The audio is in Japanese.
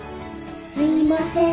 すいません。